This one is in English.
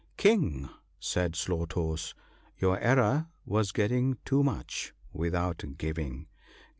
"* King !' said Slow toes, ' your error was getting too much, without giving.